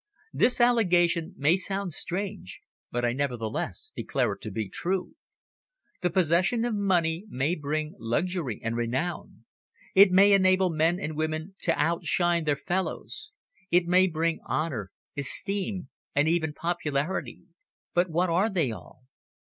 This allegation may sound strange, but I nevertheless declare it to be true. The possession of money may bring luxury and renown; it may enable men and women to outshine their fellows; it may bring honour, esteem and even popularity. But what are they all?